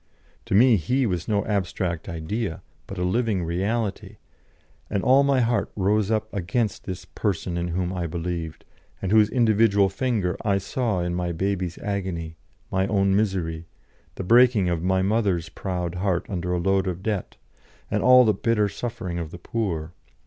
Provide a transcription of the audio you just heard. To me He was no abstract idea, but a living reality, and all my heart rose up against this Person in whom I believed, and whose individual finger I saw in my baby's agony, my own misery, the breaking of my mother's proud heart under a load of debt, and all the bitter suffering of the poor.